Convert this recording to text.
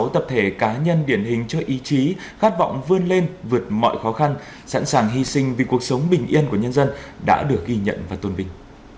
sáu tập thể cá nhân điển hình chơi ý chí khát vọng vươn lên vượt mọi khó khăn sẵn sàng hy sinh vì cuộc sống bình yên của nhân dân đã được ghi nhận và tôn vinh